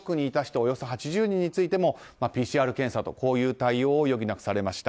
およそ８０人もＰＣＲ検査という対応を余儀なくされました。